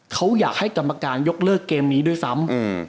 เขาอยากให้กรรมการยกเลิกเกมนี้ด้วยซ้ำ